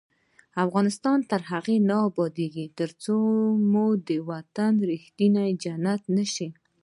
افغانستان تر هغو نه ابادیږي، ترڅو مو وطن په ریښتیا جنت نشي.